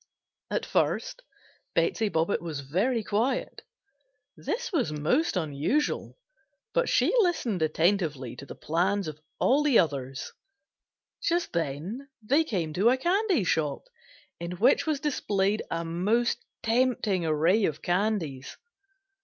At first Betsey Bobbitt was very quiet; this was most unusual, but she listened attentively to the plans of all the others. Just then they came to a candy shop in which was displayed a most tempting array of candies.